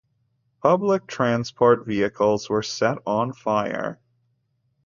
Public transport vehicles were set on fire.